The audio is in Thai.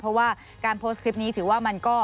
เพราะว่าการโพสต์คลิปนี้ถือว่ามันก็